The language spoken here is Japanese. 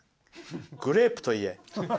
グレープと言え。